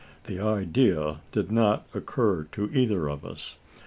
The idea did not occur to either of us.